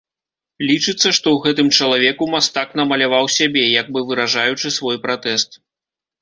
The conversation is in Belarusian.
Лічыцца, што ў гэтым чалавеку мастак намаляваў сябе, як бы выражаючы свой пратэст.